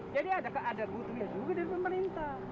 jadi ada keadaan butuhnya juga dari pemerintah